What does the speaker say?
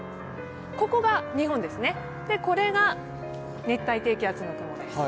ここが日本です、これが熱帯低気圧の雲です。